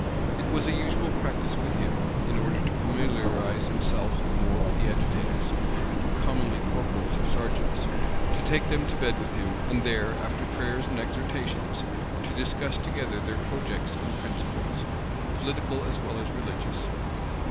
It was a usual practice with him, in order to familiarize himself the more with the agitators, who were commonly corporals or sergeants, to take them to bed with him, and there, after prayers and exhortations, to discuss together their projects and principles, political as well as religious.